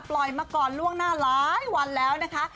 มาก่อนล่วงหน้าหลายวันแล้วนะคะ